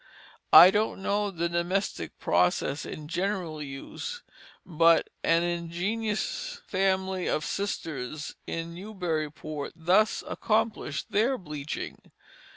I don't know the domestic process in general use, but an ingenious family of sisters in Newburyport thus accomplished their bleaching.